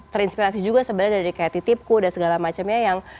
terinspirasi juga sebenarnya dari kayak titipku dan segala macemnya yang